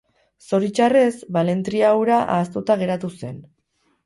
Zoritxarrez, balentria hura ahaztuta geratu zen.